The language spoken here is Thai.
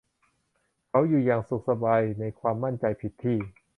เขาอยู่อย่างสุขสบายในความมั่นใจผิดที่